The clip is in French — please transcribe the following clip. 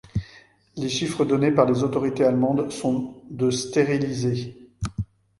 Les chiffres donnés par les autorités allemandes sont de stérilisés.